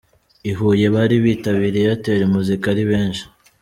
i Huye bari bitabiriye Airtel Muzika ari benshi.